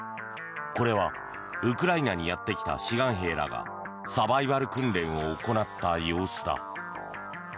これは、ウクライナにやってきた志願兵らがサバイバル訓練を行った様子だ。